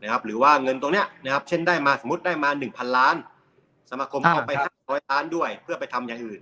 หรือว่าเงินตรงนี้เช่นได้มาสมมุติได้มา๑๐๐ล้านสมาคมเอาไป๕๐๐ล้านด้วยเพื่อไปทำอย่างอื่น